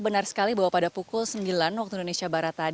benar sekali bahwa pada pukul sembilan waktu indonesia baru